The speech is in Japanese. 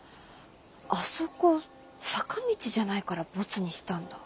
「あそこ」「坂道」じゃないからボツにしたんだ。